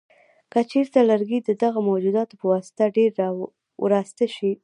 که چېرته لرګي د دغه موجوداتو په واسطه ډېر وراسته شي.